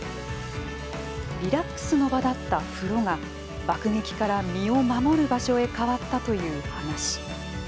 リラックスの場だった「風呂」が爆撃から、身を守る場所へ変わったという話。